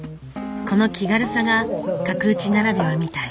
この気軽さが角打ちならではみたい。